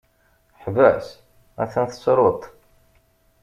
Ḥbes! Atan tessruḍ-t!